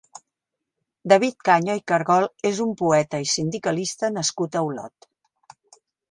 David Caño i Cargol és un poeta i sindicalista nascut a Olot.